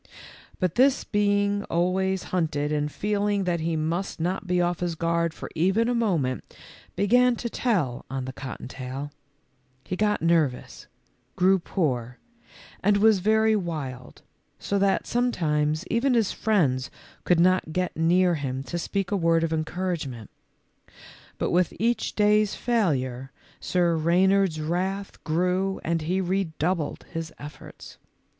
But this being always hunted and feeling that he must not be off his guard for even a moment, began to tell on the cotton taiL He got nervous, grew poor, and was very wild, so that some times even his friends could not get near him to speak a word of encouragement. But w T ith each day's failure, Sir Reynard's wrath grew and he redoubled his efforts.